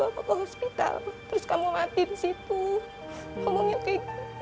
sejak mendirikan yayasan banati